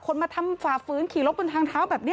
มาทำฝ่าฝืนขี่รถบนทางเท้าแบบนี้